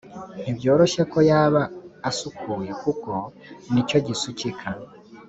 ntibyoroshye ko yaba asukuye kuko ni cyo gisukika